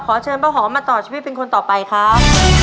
เชิญป้าหอมมาต่อชีวิตเป็นคนต่อไปครับ